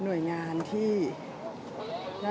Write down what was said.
สวัสดีครับ